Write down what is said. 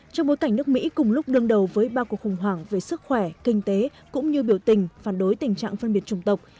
trong bối cảnh nước mỹ cùng lúc đương đầu với ba cuộc khủng hoảng về sức khỏe kinh tế cũng như biểu tình phản đối tình trạng phân biệt chủng tộc